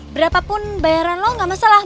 berapapun bayaran lo gak masalah